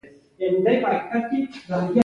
تر ټولو مهم شی پلار ماشومانو لپاره کولای شي.